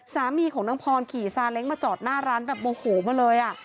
สามีของนางพรขี่ซาเล้งมาจอดหน้าร้านแบบโมโหมาเลยอ่ะ